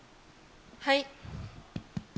はい。